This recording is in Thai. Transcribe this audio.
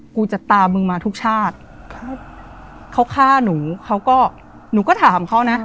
กูจะตามึงมาทุกชาติครับเขาฆ่าหนูเขาก็หนูก็ถามเขานะ